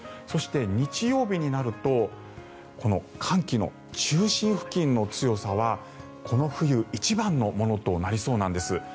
そして、日曜日になるとこの寒気の中心付近の強さはこの冬一番のものとなりそうなんです。